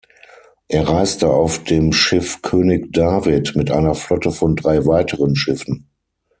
Er reiste auf dem Schiff "König David" mit einer Flotte von drei weiteren Schiffen.